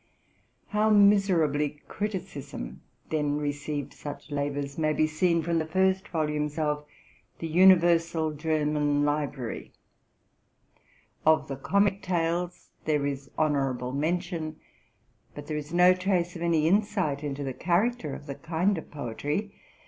How miserably criticism then received such labors may be seen from the first volumes of '*' The Universal German Li brary.'' Of '* The Comic Tales "' there is honorable mention, but there is no trace of any insight into the character of the kind of poetry.